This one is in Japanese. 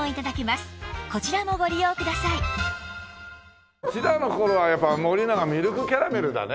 またうちらの頃はやっぱり森永ミルクキャラメルだね。